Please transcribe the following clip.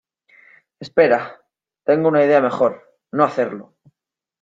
Espera. Tengo una idea mejor .¡ no hacerlo!